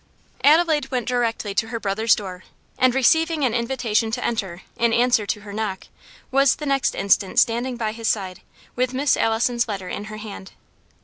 Adelaide went directly to her brother's door, and receiving an invitation to enter in answer to her knock, was the next instant standing by his side, with Miss Allison's letter in her hand.